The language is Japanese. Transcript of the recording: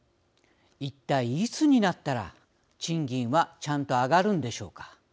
一体、いつになったら賃金はちゃんと上がるんでしょうか。